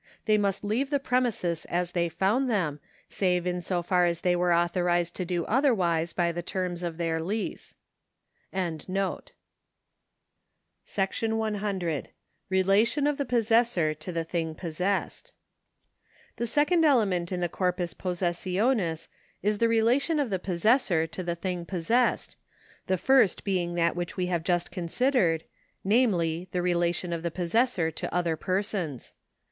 They must leave the premises as they found them, save in so far as they were authorised to do otherwise by the terms of their lease. § 100. Relation of the Possessor to the Thing Possessed. The second element in the corpus possessionis is the relation of the possessor to the thing possessed, the first being that which we have just considered, namely, the relation of the possessor to other persons.